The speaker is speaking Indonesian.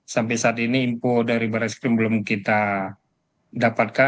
sampai saat ini info dari barat skrim belum kita dapatkan